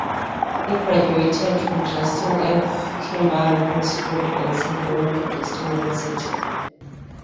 He graduated from Justin F. Kimball High School and Southern Methodist University.